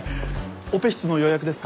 オペ室の予約ですか？